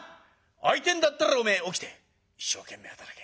会いてえんだったら起きて一生懸命働け。